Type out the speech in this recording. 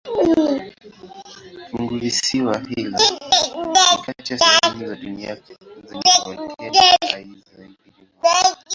Funguvisiwa hilo ni kati ya sehemu za dunia zenye volkeno hai zaidi duniani.